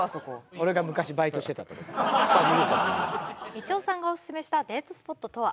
みちおさんがオススメしたデートスポットとは？